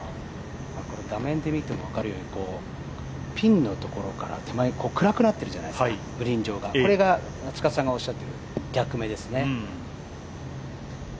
画面で見ても分かるようにピンのところから手前暗くなっているじゃないですか、グリーン上が、これが逆目ですね。